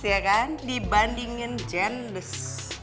ya kan dibandingin jenbis